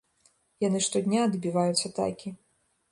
Яны штодня адбіваюць атакі.